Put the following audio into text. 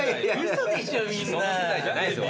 その世代じゃないですよ